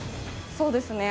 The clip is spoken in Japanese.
そうですね